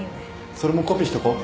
それもコピーしとこう。